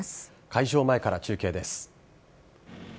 会場前から中継です。